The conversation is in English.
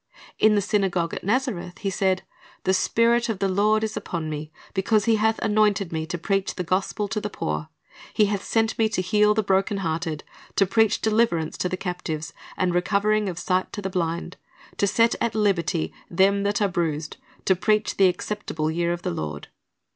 "' In the synagogue at Nazareth He said, "The Spirit of the Lord is upon Me, because He hath anointed Me to preach the gospel to the poor; He hath sent Me to heal the broken hearted, to preach deliverance to the captives, and recovering of sight to the blind, to set at liberty them that are bruised, to preach the acceptable year of the Lord."